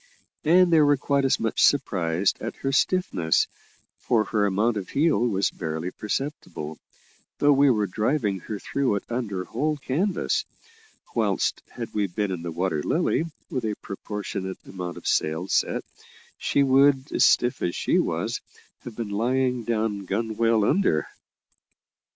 And they were quite as much surprised at her stiffness, for her amount of heel was barely perceptible, though we were driving her through it under whole canvas; whilst had we been in the Water Lily, with a proportionate amount of sail set, she would, stiff as she was, have been lying down gunwale under.